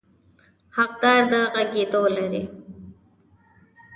حقداره د غږېدو لري.